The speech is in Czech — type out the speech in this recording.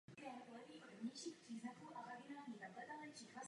Izrael pokračoval v bombardování pásma Gazy.